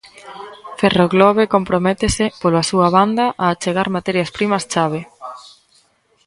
Ferroglobe comprométese, pola súa banda, a achegar materias primas chave.